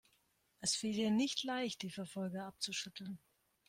Es fiel ihr nicht leicht, die Verfolger abzuschütteln.